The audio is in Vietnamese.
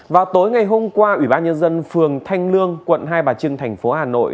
vào tối ngày hôm qua ủy ban nhân dân phường thanh lương quận hai bà trưng thành phố hà nội